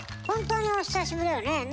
本当にお久しぶりよね。